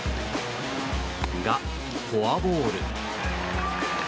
が、フォアボール。